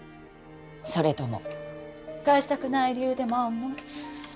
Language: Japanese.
それとも返したくない理由でもあんの？